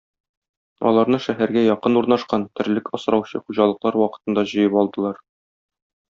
Аларны шәһәргә якын урнашкан, терлек асраучы хуҗалыклар вакытында җыеп алдылар.